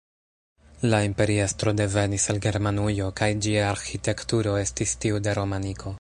La imperiestro devenis el Germanujo, kaj ĝia arĥitekturo estis tiu de romaniko.